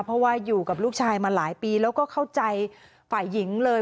เพราะว่าอยู่กับลูกชายมาหลายปีแล้วก็เข้าใจฝ่ายหญิงเลย